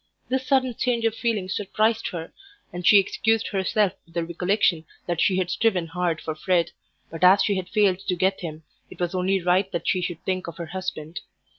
This sudden change of feeling surprised her, and she excused herself with the recollection that she had striven hard for Fred, but as she had failed to get him, it was only right that she should think of her husband.